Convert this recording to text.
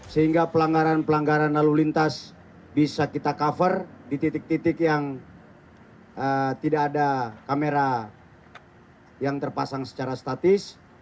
sehingga pelanggaran pelanggaran lalu lintas bisa kita cover di titik titik yang tidak ada kamera yang terpasang secara statis